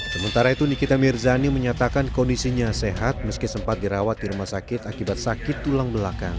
sementara itu nikita mirzani menyatakan kondisinya sehat meski sempat dirawat di rumah sakit akibat sakit tulang belakang